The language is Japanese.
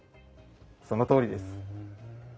そのとおりです。